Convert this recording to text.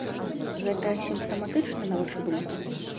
Гэта сімптаматычна, на вашу думку?